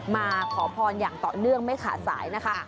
มาขอพรอย่างต่อเนื่องไม่ขาดสายนะคะ